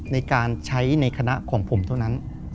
ในการใช้ในคณะของผมเท่านั้น